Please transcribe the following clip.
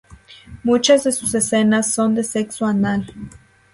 Muchas de sus escenas son de sexo anal.